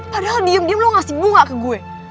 padahal diem diem lo ngasih bunga ke gue